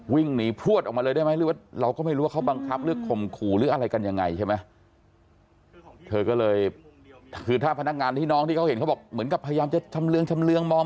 วิ่งหนีพลวดออกมาเลยได้ไหมหรือว่าเราก็ไม่รู้ว่าเขาบังคับหรือข่มขู่หรืออะไรกันยังไงใช่ไหม